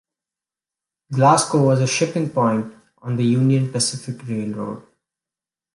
Glasco was a shipping point on the Union Pacific railroad.